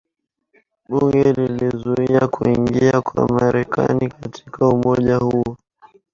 bunge lilizuia kuingia kwa Marekani katika umoja huo